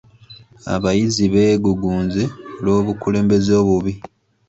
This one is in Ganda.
Abayizi beegugunze olw'obukulembeze obubi.